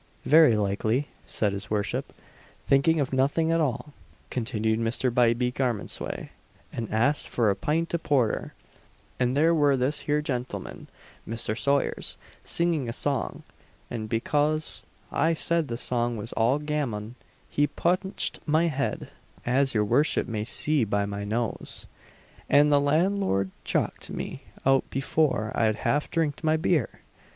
"Very likely," said his worship. "Thinking of nothin at all," continued Mr. Bybie Garmondsway, "an ax'd for a pint of porter; an there were this here gentleman, Mr. Sayers, singing a song; an, becoz I said the song was all gammon, he punch'd my head, as your worship may see by my nose, an the landlord chucked me out before I'd half drink'd my beer!